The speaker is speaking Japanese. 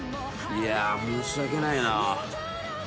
いや申し訳ないな。